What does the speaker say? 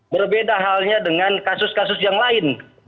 berbeda halnya dengan kasus kasus yang lain